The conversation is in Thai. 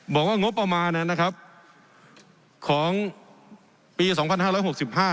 บอกว่างบประมาณเนี่ยนะครับของปีสองพันห้าร้อยหกสิบห้า